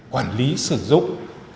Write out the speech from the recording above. quản lý sử dụng